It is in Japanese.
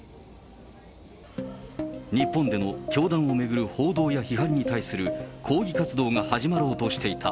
日本での教団を巡る報道や批判に対する抗議活動が始まろうとしていた。